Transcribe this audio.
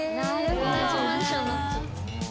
同じマンションの。